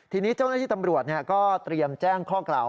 ทีนี้เจ้าหน้าที่ตำรวจก็เตรียมแจ้งข้อกล่าว